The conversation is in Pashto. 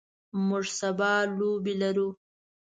موږ سبا لوبې لرو.